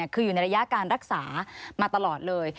คืออยู่ในระยะการรักษามาตลอดเลย